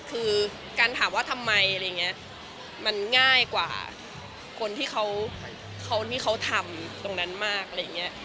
คือการถามว่าทำไมอะไรอย่างนี้มันง่ายกว่าคนที่เขาที่เขาทำตรงนั้นมากอะไรอย่างนี้